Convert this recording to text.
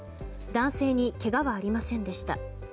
男性にけがはありませんでした。